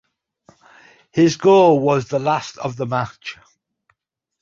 His goal was the last of the match.